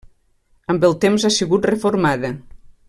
Amb el temps ha sigut reformada.